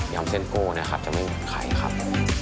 เส้นโก้นะครับจะไม่เหมือนใครครับ